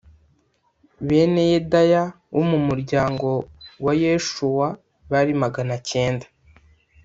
bene yedaya wo mu muryango wa yeshuwa bari magana cyenda